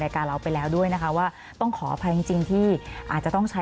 การเราไปแล้วด้วยนะคะว่าต้องขออภัยจริงที่อาจจะต้องใช้